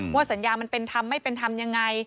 ว่าสัญญามันเป็นทำไม่เป็นทำยังไง